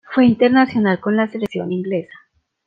Fue internacional con la Selección Inglesa.